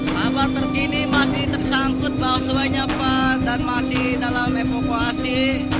tamu terkini masih tersangkut bahwa suai nyepat dan masih dalam evokasi